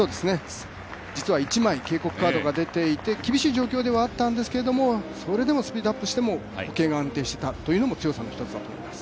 実は１枚警告カードが出ていて厳しい状況ではあったんですけどそれでもスピードアップしても歩型が安定していたというのも強さの一つだと思います。